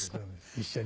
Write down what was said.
一緒に。